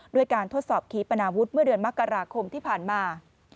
ด้วยการทดสอบขีปนาวุฒิเมื่อเดือนมกราคมที่ผ่านมา